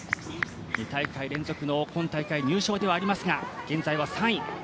２大会連続の今大会入賞ではありますが現在は３位。